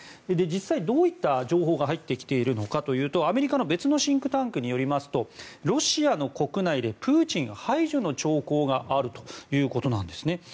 実際どういった情報が入ってきているのかというとアメリカの別のシンクタンクによりますとロシアの国内でプーチン排除の兆候があるということなんです。